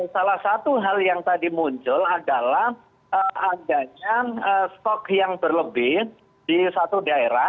salah satu hal yang tadi muncul adalah adanya stok yang berlebih di satu daerah